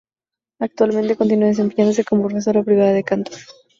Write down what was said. Actualmente continúa desempeñándose como profesora privada de canto.